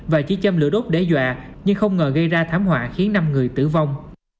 và chỉ châm lửa đốt để dọa nhưng không ngờ gây ra thảm họa khiến năm người tử vong